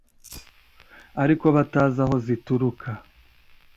ariko batazi aho zituruka